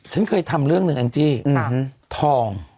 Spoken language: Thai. ฉันเคยทำเรื่องหนึ่งแองจี้ทอง